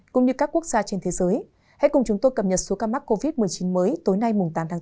cũng như các quốc gia trên thế giới hãy cùng chúng tôi cập nhật số ca mắc covid một mươi chín mới tối nay tám tháng bốn